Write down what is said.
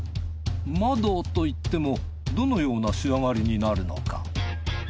窓といってもどのような仕上がりになるのか？